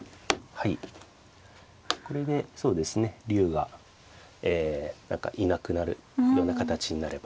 これでそうですね竜がえ何かいなくなるような形になれば。